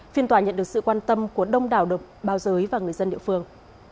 phiên tòa nhận được sự quan tâm của đông đảo độc báo giới và người dân địa phương